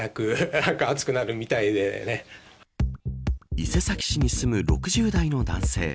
伊勢崎市に住む６０代の男性。